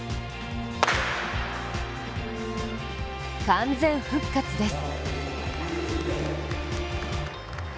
完全復活です。